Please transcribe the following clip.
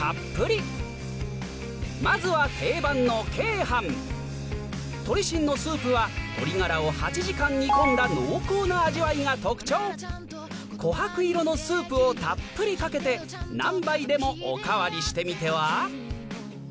まずは定番の鶏飯鳥しんのスープは鶏がらを８時間煮込んだ濃厚な味わいが特徴琥珀色のスープをたっぷりかけて何杯でもお代わりしてみては？